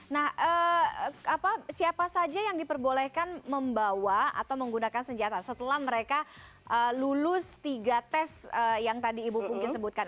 nah siapa saja yang diperbolehkan membawa atau menggunakan senjata setelah mereka lulus tiga tes yang tadi ibu pungki sebutkan